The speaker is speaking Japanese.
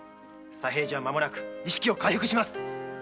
佐平次はまもなく意識を回復します。